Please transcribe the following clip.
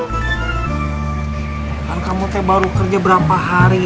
gua ke kamotay baru kerja berapa hari